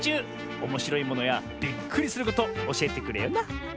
おもしろいものやびっくりすることおしえてくれよな！